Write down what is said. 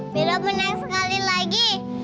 mira mau naik sekali lagi